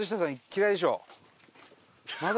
嫌いでしょ？